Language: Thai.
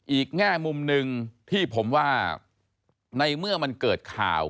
แง่มุมหนึ่งที่ผมว่าในเมื่อมันเกิดข่าว